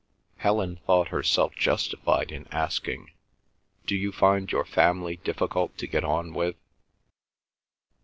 Helen thought herself justified in asking, "Do you find your family difficult to get on with?"